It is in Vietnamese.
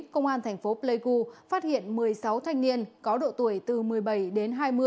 công an thành phố pleiku phát hiện một mươi sáu thanh niên có độ tuổi từ một mươi bảy đến hai mươi